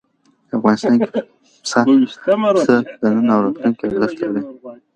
افغانستان کې پسه د نن او راتلونکي ارزښت لري.